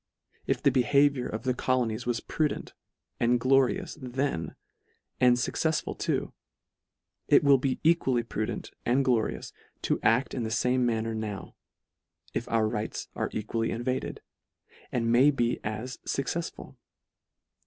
If the behaviour of the colonies was prudent and glorious then, and fuccefsful too; it will be equally prudent and glorious to aci in the fame manner now, if our rights are equal ly invaded, and may be as fuccefsful.